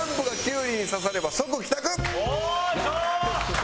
よいしょー！